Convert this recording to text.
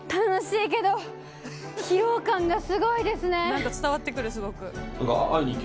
「なんか伝わってくるすごく」